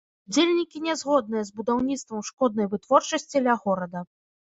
Удзельнікі нязгодныя з будаўніцтвам шкоднай вытворчасці ля горада.